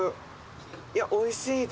いやおいしいぞ。